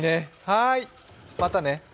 はい、またね。